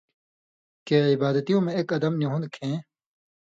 کہ عِبادتیوں مہ ایک اَدم نی ہون٘د کھیں